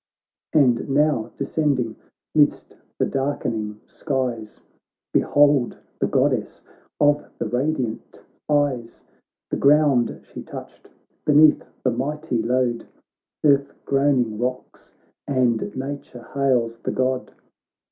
And now descending midst the darken ing skies Behold the Goddess of the radiant eyes ; The ground she touched, beneath the mighty load Earth groaning rocks, and nature hails the God.